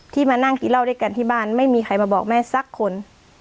มานั่งกินเหล้าด้วยกันที่บ้านไม่มีใครมาบอกแม่สักคน